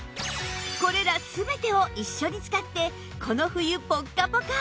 これら全てを一緒に使ってこの冬ぽっかぽか！